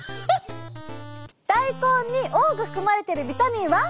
大根に多く含まれてるビタミンは？